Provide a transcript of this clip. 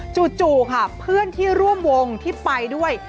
จู่ค่ะเพื่อนที่ร่วมวงที่ไปด้วย